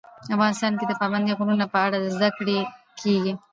افغانستان کې د پابندی غرونه په اړه زده کړه کېږي.